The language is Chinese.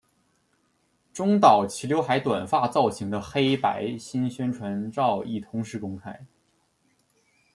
中岛齐浏海短发造型的黑白新宣传照亦同时公开。